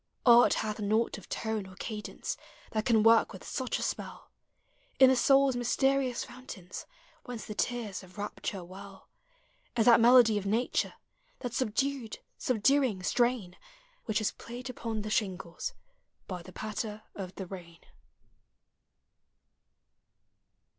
Art hath naught of tone or cadence That can work with such a spell In the soul's mysterious fountains. Whence the tears of rapture well, As that melody of nature, That subdued, subduing strain Which is played upon the shingles By the patter of the rain.